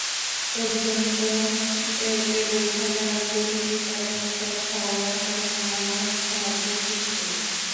অধিকন্তু এতে বোঝা যায় যে, তিনি তার নিষ্পাপ হওয়ার কারণে আল্লাহর সাহায্যপুষ্ট।